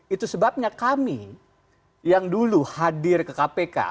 itu sebabnya kami yang dulu hadir di kppk kita bergabung dengan kppk